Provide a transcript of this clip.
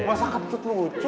masa kentut lucu